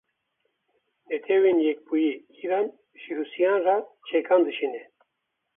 Netewên Yekbûyî Îran ji Hûsiyan re çekan dişîne.